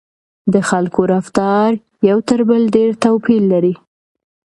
د خلکو رفتار یو تر بل ډېر توپیر لري.